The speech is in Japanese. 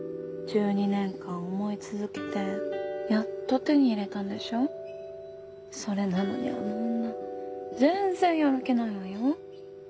１２年間思い続けてやっと手に入れたんでしょそれなのにあの女全然やる気ないわよ